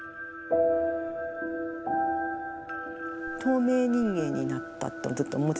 透明人間になったとずっと思ってたんですけど。